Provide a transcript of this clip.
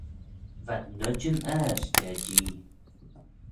V'ad noidjyn ard da Jee.